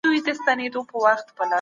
چوپتیا ځینې وخت غوره وي.